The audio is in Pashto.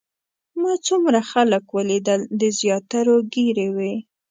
ما څومره خلک ولیدل د زیاترو ږیرې وې.